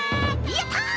やった！